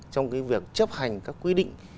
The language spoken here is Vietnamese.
trong việc chấp hành các quy định